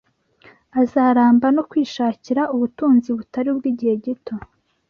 azaramba no kwishakira ubutunzi butari ubw’igihe gito